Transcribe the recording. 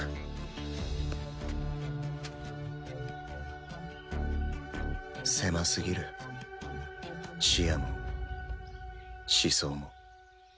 タッ狭すぎる視野も思想も。